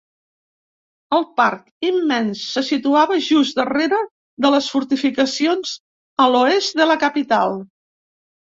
El parc, immens, se situava just darrere de les fortificacions a l'oest de la capital.